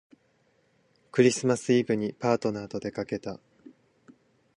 クリスマスイブにパートナーとでかけた